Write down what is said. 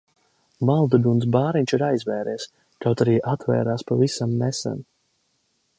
Malduguns bāriņš ir aizvēries, kaut arī atvērās pavisam nesen.